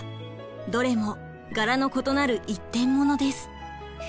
どれも柄の異なる一点ものです。